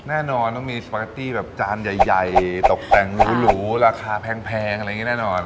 แน่นอนต้องมีสปาเกตตี้แบบจานใหญ่ตกแต่งหรูราคาแพงอะไรอย่างนี้แน่นอน